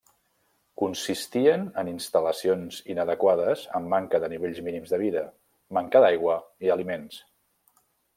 Consistien en instal·lacions inadequades amb manca de nivells mínims de vida; manca d'aigua i aliments.